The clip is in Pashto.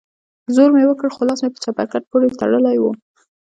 زور مې وکړ خو لاس مې په چپرکټ پورې تړلى و.